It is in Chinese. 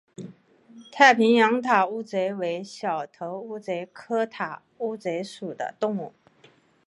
太平洋塔乌贼为小头乌贼科塔乌贼属的动物。